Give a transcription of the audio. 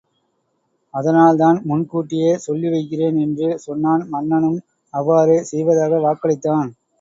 அதனால்தான் முன் கூட்டியே சொல்லி வைக்கிறேன்! என்று சொன்னான் மன்னனும் அவ்வாறே செய்வதாக வாக்களித்தான்.